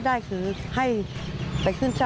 เขาก็เสียจำนวนไม่ได้แล้วนะครับ